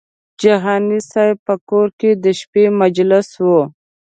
د جهاني صاحب په کور کې د شپې مجلس و.